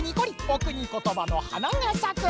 お国ことばのはながさく！